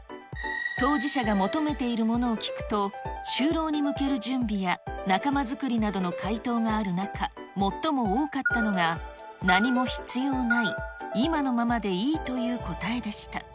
当事者が求めているものを聞くと、就労に向ける準備や仲間作りなどの回答がある中、最も多かったのが、何も必要ない、今のままでいいという答えでした。